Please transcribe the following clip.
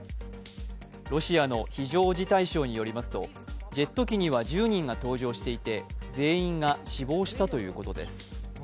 ロシアの非常事態省によりますとジェット機に乗っていた全員が死亡したということです。